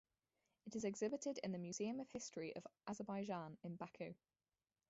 It is exhibited in the Museum of History of Azerbaijan in Baku.